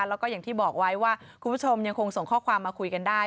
แล้วก็อย่างที่บอกไว้ว่าคุณผู้ชมยังคงส่งข้อความมาคุยกันได้